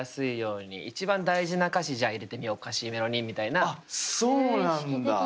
あっそうなんだ。